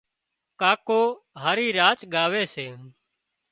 ڪاڪو هارِي راچ ڳاوي سي